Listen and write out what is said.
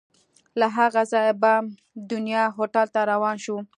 له هغه ځایه بام دنیا هوټل ته روان شوو.